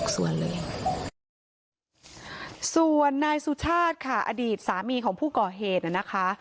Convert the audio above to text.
ส่วนนายสุชาติค่ะอดีตสามีของผู้ก่อเหตุน่ะนะคะ